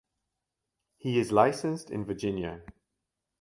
He is licensed in Virginia.